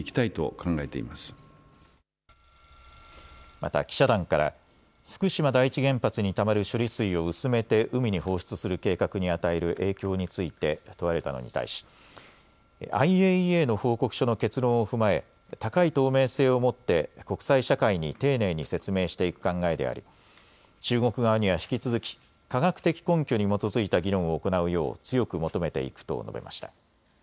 また記者団から福島第一原発にたまる処理水を薄めて海に放出する計画に与える影響について問われたのに対しＩＡＥＡの報告書の結論を踏まえ高い透明性をもって国際社会に丁寧に説明していく考えであり、中国側には引き続き科学的根拠に基づいた議論を行うよう強く求めていくと述べました。